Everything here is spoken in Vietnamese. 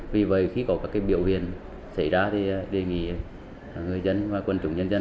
vì vậy khi có các biểu hiện xảy ra thì đề nghị người dân và quân chủng nhân dân